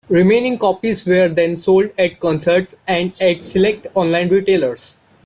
Remaining copies were then sold at concerts and at select online retailers.